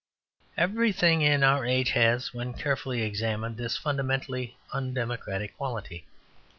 Everything in our age has, when carefully examined, this fundamentally undemocratic quality.